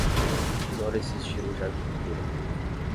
Adoro esse estilo de arquitetura.